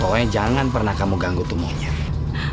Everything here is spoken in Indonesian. pokoknya jangan pernah kamu ganggu tuh monyet